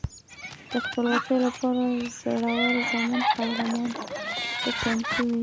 د خپلواکۍ لپاره زړور زامن قربانۍ ته چمتو وي.